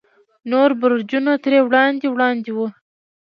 نور برجونه ترې وړاندې وړاندې وو.